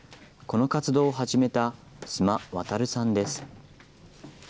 この活動を始めた須磨航さんです。